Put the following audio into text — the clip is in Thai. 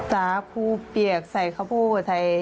สาธารกรูเปียกใส่ขาโพธิไทย